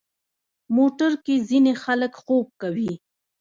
موټر کې ځینې خلک خوب کوي.